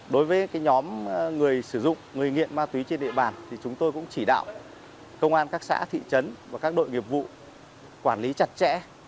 đối với nhóm người sử dụng người nghiện ma túy trên địa bàn thì chúng tôi cũng chỉ đạo công an các xã thị trấn và các đội nghiệp vụ quản lý chặt chẽ